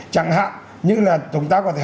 chẳng hạn như là chúng ta có thể học